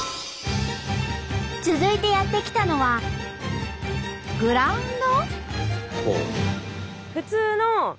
続いてやって来たのはグラウンド？